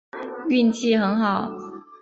运气很好